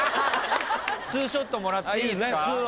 ２ショットもらっていいっすか？